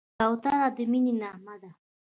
کوتره د مینې نغمه ده.